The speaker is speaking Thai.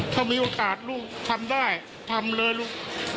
ถ้ามีโอกาสลูกทำได้ทำเลยลูก